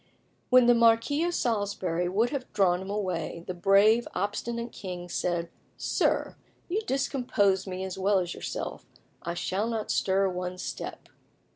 When the Marquis of Salisbury would have drawn him away, the brave, obstinate king said "Sir, you discompose me as well as yourself: I shall not stir one step."